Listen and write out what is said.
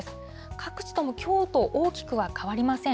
各地ともきょうと大きくは変わりません。